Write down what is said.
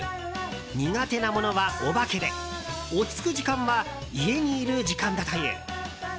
苦手なものはお化けで落ち着く時間は家にいる時間だという。